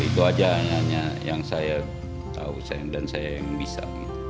itu aja hanya yang saya tahu dan saya yang bisa